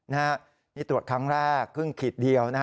นี่ตรวจครั้งแรกครึ่งขีดเดียว